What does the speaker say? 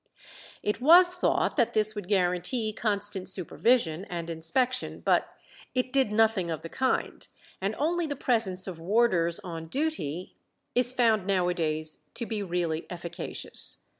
It was thought that this would guarantee constant supervision and inspection, but it did nothing of the kind, and only the presence of warders on duty is found now a days to be really efficacious.